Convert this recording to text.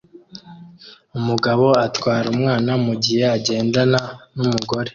Umugabo atwara umwana mugihe agendana numugore